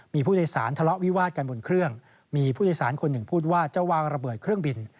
มีผู้โดยสารทะเลาะวิวาดกันบนเครื่องมีผู้โดยสารคนหนึ่งพูดว่าจะวางระเบิดเครื่องบิน